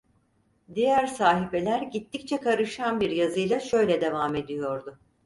Diğer sahifeler gittikçe karışan bir yazıyla şöyle devam ediyordu: